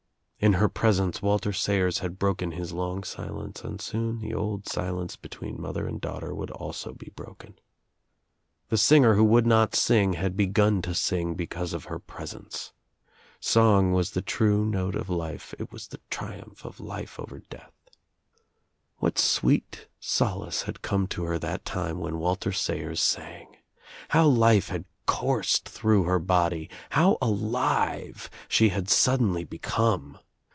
In her presence Walter Sayers had broken his long silence and soon the old silence between mother and daughter would also be broken. The singer who would not sing had begun to sing because of her presence. Song was the true note of life, it was the triumph of life over death. What sweet solace had come to her that time when Walter Sayers sangl How life had coursed through her body! How alive she had suddenly become!